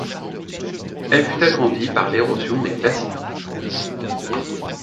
Elle fut agrandie par l’érosion des glaciers.